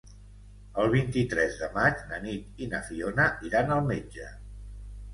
El vint-i-tres de maig na Nit i na Fiona iran al metge.